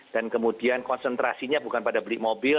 dan kemudian konsentrasinya bukan pada beli mobil